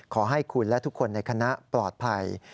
ขอให้คุณและทุกคนในคณะปลอดภัย